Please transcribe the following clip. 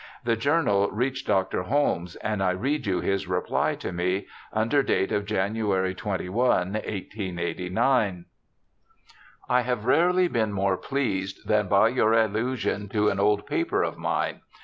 The journal reached Dr. Holmes, and I read you his reply to me, under date of January 21, 1889 :' I have rarely been more pleased than by your allusion to an old paper of mine.